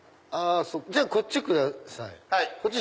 じゃあこっちください。